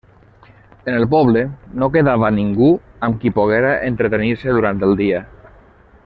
En el poble no quedava ningú amb qui poguera entretenir-se durant el dia.